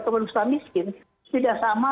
kemanusiaan miskin tidak sama